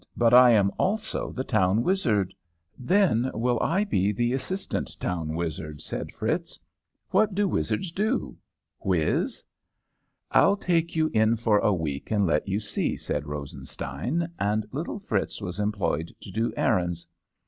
'But I am also the town wizard.' "'Then will I be the assistant town wizard,' said Fritz. 'What do wizards do whiz?' "'I'll take you in for a week and let you see,' said Rosenstein, and little Fritz was employed to do errands.